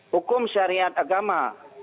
hukum syariat agama